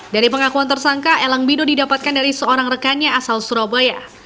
dari pengakuan tersangka elang bido didapatkan dari seorang rekannya asal surabaya